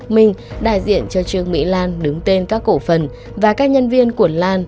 mình đại diện cho trường mỹ lan đứng tên các cổ phần và các nhân viên của lan